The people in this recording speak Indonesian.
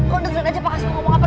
kau dengerin aja pak kasbu ngomong apa